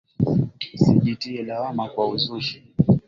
Sijitie lawama kwa uzushi.